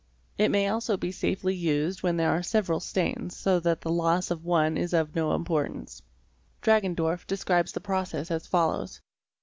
It may also be safely used when there are — several stains so that the loss of one is of no importance. a Dragendorf describes the process as follows.